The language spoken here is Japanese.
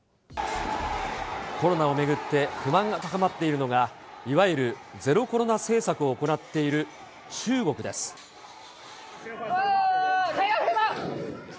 コロナを巡って、不満が高まっているのが、いわゆるゼロコロナ政策を行っている中国です。